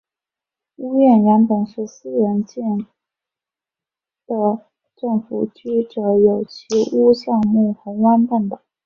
屋苑原本是私人参建的政府居者有其屋项目红湾半岛。